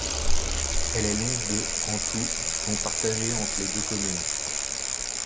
Elle est longue de en tout, dont partagés entre les deux communes.